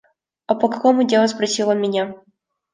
«А по какому делу?» – спросил он меня.